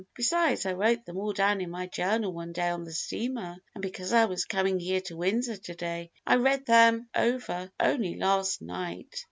Besides, I wrote them all down in my journal one day on the steamer, and because I was coming here to Windsor to day, I read them over only last night."